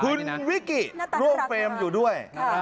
คุณวิกิโลอมเป็นอยู่ด้วย